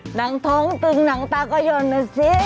หนังท้องตึงหนังตาก็ยนนะสิ